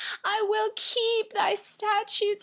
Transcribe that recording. I will keep your statutes.